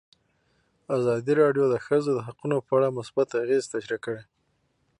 ازادي راډیو د د ښځو حقونه په اړه مثبت اغېزې تشریح کړي.